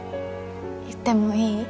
言ってもいい？